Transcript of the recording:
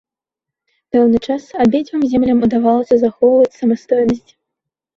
Пэўны час абедзвюм землям удавалася захоўваць самастойнасць.